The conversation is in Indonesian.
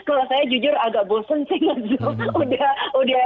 kalau saya jujur agak bosen sih nge zoom